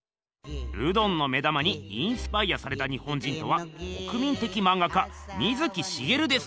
ルドンの目玉にインスパイアされた日本人とは国民的まんが家水木しげるです。